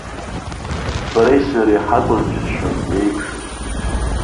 Бареи сареи ҳакәыз џьысшьон еиԥшыз.